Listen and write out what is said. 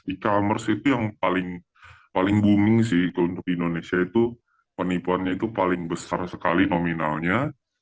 e commerce itu yang paling booming sih kalau untuk di indonesia itu penipuannya itu paling besar sekali nominalnya